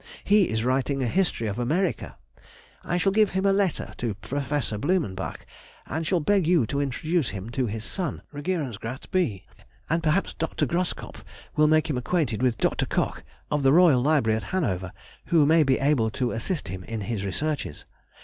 He is writing a history of America. I shall give him a letter to Professor Blumenbach, and shall beg you to introduce him to his son, Regierungsrath B., and perhaps Dr. Groskopf will make him acquainted with Dr. Koch, of the Royal Library at Hanover, who may be able to assist him in his researches....